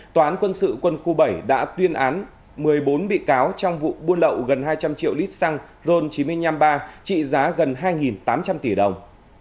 tòa án quân sự quân khu bảy đã tuyên án một mươi bốn bị cáo trong vụ buôn lậu gần hai trăm linh triệu lít xăng ron chín trăm năm mươi ba trị giá gần hai tám trăm linh tỷ đồng